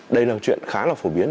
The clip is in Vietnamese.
đây là một chuyện khá là phổ biến